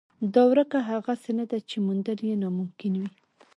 دا ورکه هغسې نه ده چې موندل یې ناممکن وي.